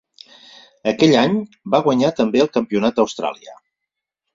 Aquell any va guanyar també el Campionat d'Austràlia.